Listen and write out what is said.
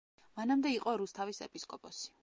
მანამდე იყო რუსთავის ეპისკოპოსი.